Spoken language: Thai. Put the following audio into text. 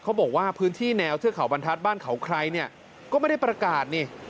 บอกว่าพื้นที่แนวเทือกเขาบรรทัศน์บ้านเขาใครเนี่ยก็ไม่ได้ประกาศนี่